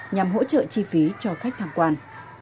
nhằm hỗ trợ chi phí cho khách tham quan